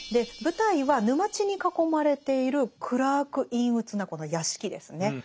舞台は沼地に囲まれている暗く陰鬱なこの屋敷ですね。